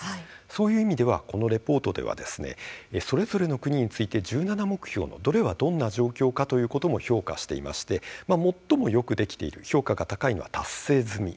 そういう意味ではこのレポートではそれぞれの国について１７目標のどれはどんな状況かということも評価していまして最もよくできている評価が高いは、達成済み。